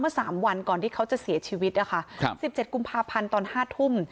๓วันก่อนที่เขาจะเสียชีวิตนะคะ๑๗กุมภาพันธ์ตอน๕ทุ่ม